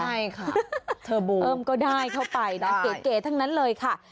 ใช่ค่ะเทอร์โบเพิ่มก็ได้เข้าไปนะเก๋ทั้งนั้นเลยค่ะ